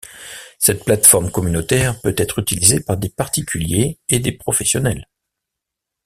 Cette plateforme communautaire peut être utilisée par des particuliers et des professionnels.